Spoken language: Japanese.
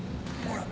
ほら。